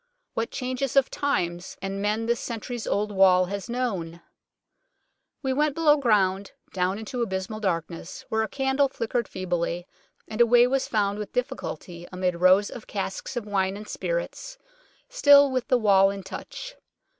What changes of times and men this centuries' old wall has known ! We went below ground, down into abysmal darkness, where a candle flickered feebly, and a way was found with difficulty amid rows of casks of wine and spirits, still with the wall in touch.